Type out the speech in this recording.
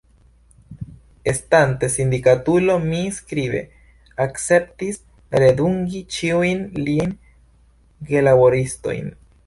Estante sindikatulo, mi skribe akceptis redungi ĉiujn liajn gelaboristojn.